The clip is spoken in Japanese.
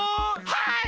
はい！